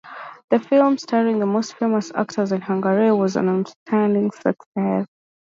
The film starring the most famous actors in Hungary was an outstanding success.